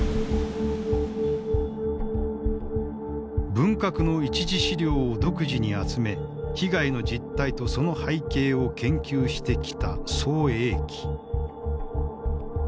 文革の一次資料を独自に集め被害の実態とその背景を研究してきた宋永毅。